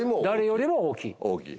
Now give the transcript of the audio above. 誰よりも大きい。